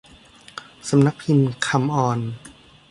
สำนักพิมพ์คัมออน